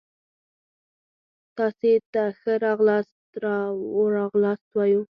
تاسي ته ښه را غلاست وايو